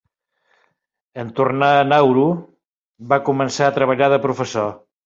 En tornar a Nauru, va començar a treballar de professor.